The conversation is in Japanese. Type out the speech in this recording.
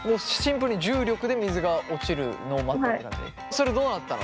それどうなったの？